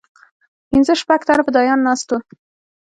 پنځه شپږ تنه فدايان ناست وو.